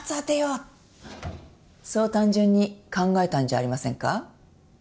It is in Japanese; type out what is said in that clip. そう単純に考えたんじゃありませんか？